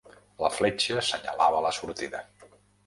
La fletxa senyalava la sortida.